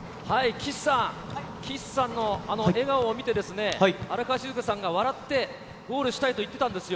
岸さん、岸さんのあの笑顔を見て、荒川静香さんが笑ってゴールしたいと言ってたんですよ。